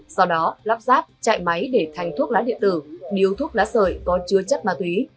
sau đó lắp ráp chạy máy để thành thuốc lá điện tử điếu thuốc lá sợi có chứa chất ma túy